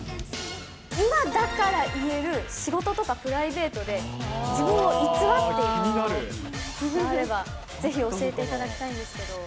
今だから言える、仕事とかプライベートで自分を偽っていたことがあれば、ぜひ教えていただきたいんですけど。